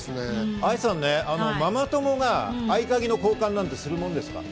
愛さん、ママ友が合鍵の交換なんてするものですか？